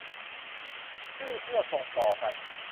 ชื่อเพื่อส่งต่อกัน